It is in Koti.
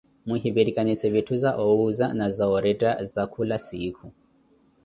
Muhivirikanise vitthu za owuuza na za oretta za khula siikhu.